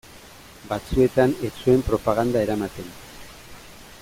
Batzuetan ez zuen propaganda eramaten.